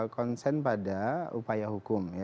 konsen pada upaya hukum